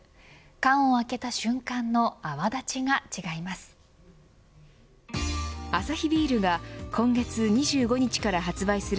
缶を開けた瞬間の泡立ちが違います。